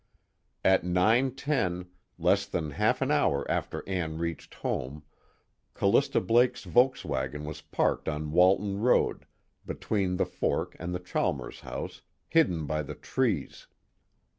"At 9:10, less than half an hour after Ann reached home, Callista Blake's Volkswagen was parked on Walton Road, between the fork and the Chalmers house, hidden by the trees.